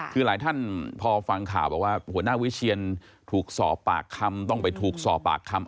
คือหลายท่านพอฟังข่าวบอกว่าหัวหน้าวิเชียนถูกสอบปากคำต้องไปถูกสอบปากคำ